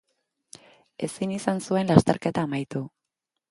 Ezin izan zuen lasterketa amaitu.